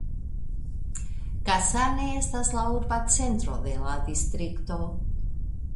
Kasane estas la urba centro de la Distrikto.